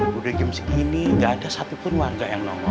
budi gimse ini gak ada satupun warga yang nongol